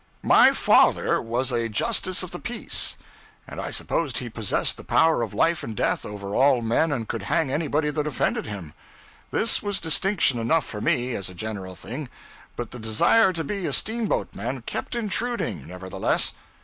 My father was a justice of the peace, and I supposed he possessed the power of life and death over all men and could hang anybody that offended him. This was distinction enough for me as a general thing; but the desire to be a steamboatman kept intruding, nevertheless.